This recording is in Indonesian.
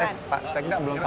eh pak sekda belum tahu